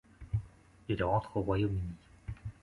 Il rentre au Royaume-Uni.